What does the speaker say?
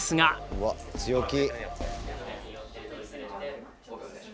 うわっ強気。